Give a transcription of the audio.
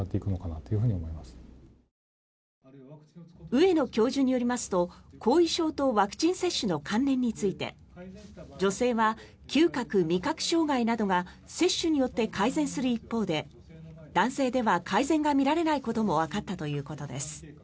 上野教授によりますと後遺症とワクチン接種の関連について女性は嗅覚・味覚障害などが接種によって改善する一方で男性では改善が見られないこともわかったということです。